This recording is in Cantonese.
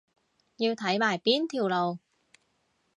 要睇埋邊條路